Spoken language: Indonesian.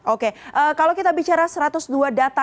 oke kalau kita bicara satu ratus dua data